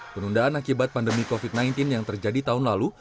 penundaan akibat pandemi covid sembilan belas yang terjadi tahun lalu